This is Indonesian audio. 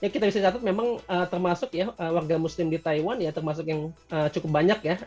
kita bisa catat memang termasuk ya warga muslim di taiwan ya termasuk yang cukup banyak ya